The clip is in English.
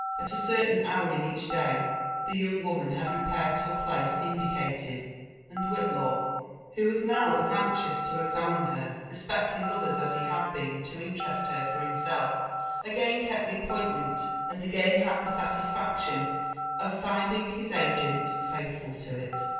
At a certain hour in each day, the young woman had repaired to a place indicated ; and Whitlaw, who was now as anxious to examine her respecting others as he had been to interest her for himself, again kept the appoint ment, and again had the satisfaction of finding his agent faithful to it.